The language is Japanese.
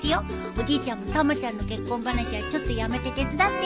おじいちゃんもたまちゃんの結婚話はちょっとやめて手伝って。